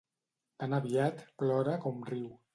Tan aviat plora com riu.